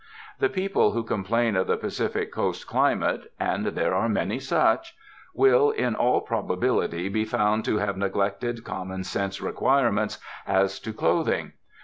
The people who complain of the Pacific Coast climate — and there are many such — will, in all prob ability, be found to have neglected common sense requirements as to clothing.